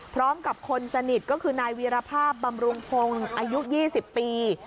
พร้อมกับคนสนิทก็คือนายวีรภาพบำรุงพงศ์อายุ๒๐ปี